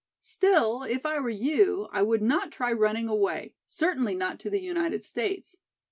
Still, if I were you I would not try running away, certainly not to the United States.